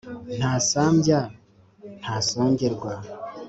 ntasambya ntasongerwa,